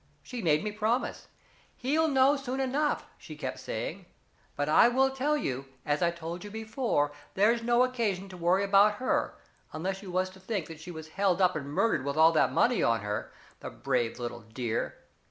She made me promise. 'He'll know soon enough,' she kept saying. But I will tell you, as I told you before, there's no occasion to worry about her unless you was to think was she held up and murdered with all that money on her, the brave little dear.